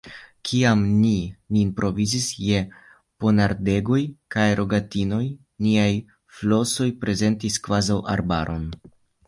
Kiam ni nin provizis je ponardegoj kaj rogatinoj, niaj flosoj prezentis kvazaŭ arbaron.